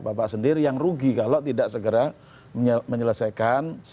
bapak sendiri yang rugi kalau tidak segera menyelesaikan